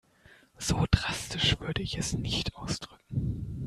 So drastisch würde ich es nicht ausdrücken.